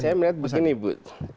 saya melihat begini bu